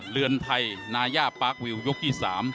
เรือนไทยนาย่าปาร์ควิวยกที่๓